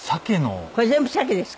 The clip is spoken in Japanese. これ全部鮭ですか？